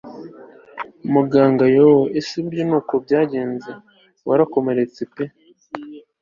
Muganga yooo ese burya nuko byagenze warakomeretse pe